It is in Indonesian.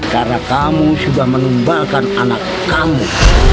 karena kamu sudah mengembalikan anak kamu